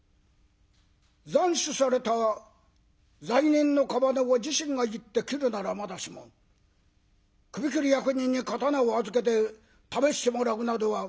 「斬首された罪人の屍を自身が行って斬るならまだしも首斬り役人に刀を預けて試してもらうなどは刀の汚れだ。